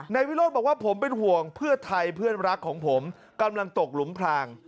วิโรธบอกว่าผมเป็นห่วงเพื่อไทยเพื่อนรักของผมกำลังตกหลุมพลาง